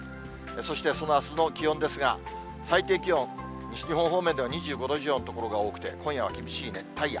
そしてそのあすの気温ですが、最低気温、西日本方面では２５度以上の所が多くて、今夜は厳しい熱帯夜。